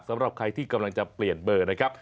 สำหรับใครที่กำลังจะเปลี่ยนเบอร์นะครับ